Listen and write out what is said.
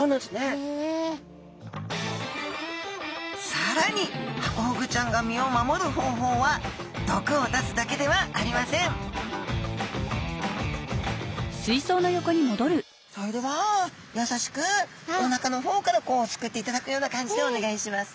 さらにハコフグちゃんが身を守る方法は毒を出すだけではありませんそれではやさしくおなかの方からこうすくっていただくような感じでお願いします。